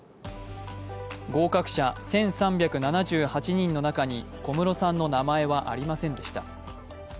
合格者１３７８人の中に小室さんの名前はありませんでした。